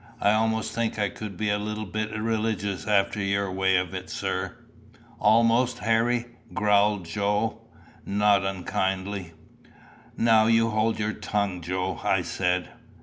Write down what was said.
I almost think I could be a little bit religious after your way of it, sir." "Almost, Harry!" growled Joe not unkindly. "Now, you hold your tongue, Joe," I said.